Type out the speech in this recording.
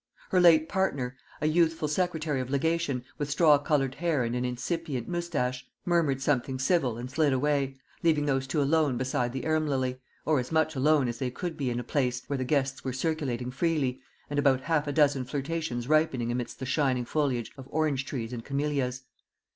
Her late partner a youthful secretary of legation, with straw coloured hair and an incipient moustache murmured something civil, and slid away, leaving those two alone beside the arum lily, or as much alone as they could be in a place, where the guests were circulating freely, and about half a dozen flirtations ripening amidst the shining foliage of orange trees and camellias.